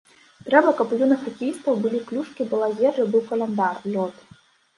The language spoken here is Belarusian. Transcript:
Трэба, каб у юных хакеістаў былі клюшкі, была ежа, быў каляндар, лёд.